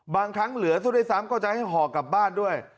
บางครั้งเหลือซะด้วยซ้ำก็จะให้ห่อกลับบ้านด้วย